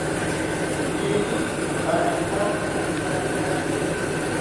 Piiri awintawontzi, pikamikari